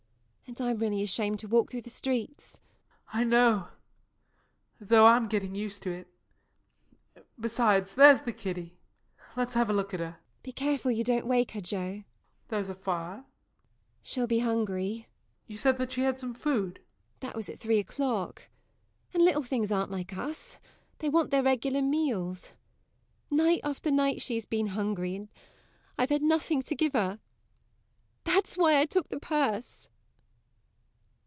_] And I'm really ashamed to walk through the streets JOE. I know though I'm getting used to it. Besides, there's the kiddie. Let's have a look at her. MARY. Be careful you don't wake her, Joe! JOE. There's a fire. MARY. She'll be hungry. JOE. You said that she had some food? MARY. That was at three o'clock. And little things aren't like us they want their regular meals. Night after night she has been hungry, and I've had nothing to give her. That's why I took the purse.